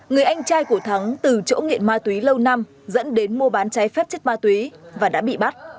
người anh trai của thắng từ chỗ nghiện ma túy lâu năm dẫn đến mua bán cháy phép chất ma túy và đã bị bắt